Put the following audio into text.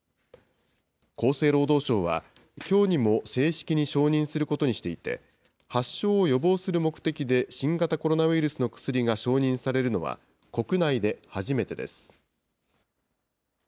厚生労働省は、きょうにも正式に承認することにしていて、発症を予防する目的で新型コロナウイルスの薬が承認されるのは国内で初めてです。